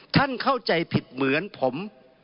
เข้าใจผิดเหมือนผม